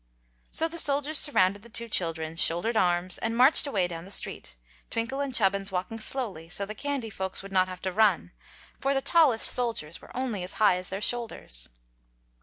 So the soldiers surrounded the two children, shouldered arms, and marched away down the street, Twinkle and Chubbins walking slowly, so the candy folks would not have to run; for the tallest soldiers were only as high as their shoulders.